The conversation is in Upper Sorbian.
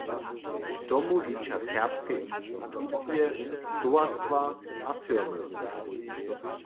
K tomu liča serbske institucije, towarstwa a firmy.